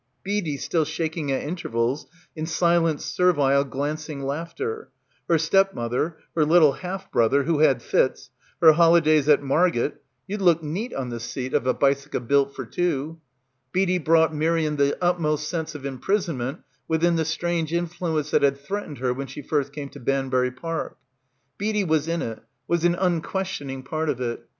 ... Beadie still shaking at intervals in silent servile glancing laughter, her stepmother, her little half brother who had fits, her holidays at 8 7 PILGRIMAGE Margate, "you'd look neat, on the seat, of a bicyka made for two" — Beadie brought Miriam the utmost sense of imprisonment within the strange influence that had threatened her when she first came to Banbury Park. Beadie was in it, was an unquestioning part of it.